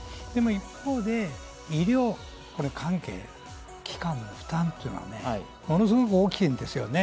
一方で医療関係、医療機関の負担というのはね、ものすごく大きいんですよね。